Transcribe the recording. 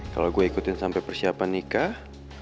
kalau gue ikutin sampai persiapan nikah